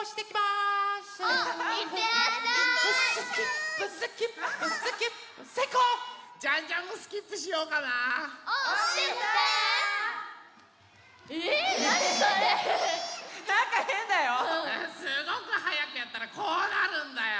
すごくはやくやったらこうなるんだよ。